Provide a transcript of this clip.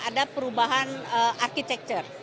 ada perubahan arsitektur